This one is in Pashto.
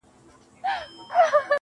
ساقي وتاته مو په ټول وجود سلام دی پيره.